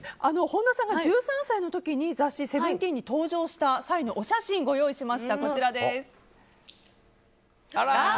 本田さんが１３歳の時に雑誌「Ｓｅｖｅｎｔｅｅｎ」に登場した際のお写真、ご用意しました。